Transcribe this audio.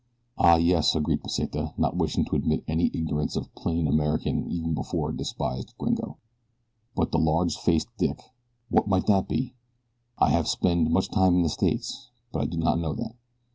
"Ah, yes," agreed Pesita, not wishing to admit any ignorance of plain American even before a despised gringo. "But the large faced dick what might that be? I have spend much time in the States, but I do not know that."